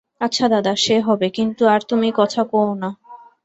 আচ্ছা দাদা, সে হবে, কিন্তু আর তুমি কথা কোয়ো না।